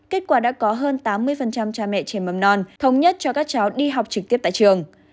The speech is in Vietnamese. kết quả đã có hơn tám mươi cha mẹ trẻ mầm non thống nhất cho các cháu đi học trực tiếp tại trường